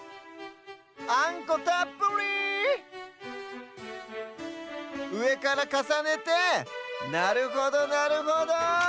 あんこたっぷり！うえからかさねてなるほどなるほど。